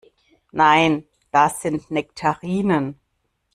Nein, das sind Nektarinen.